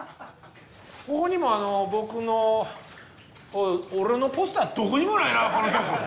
ここにも僕のおい俺のポスターどこにもないなこの局。